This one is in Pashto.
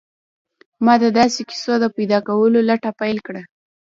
ما د داسې کيسو د پيدا کولو لټه پيل کړه.